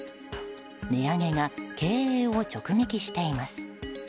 値上げが経営を直撃しています。